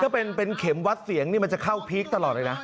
ถ้าเป็นเข็มวัดเสียงนี่มันจะเข้าพีคตลอดเลยนะ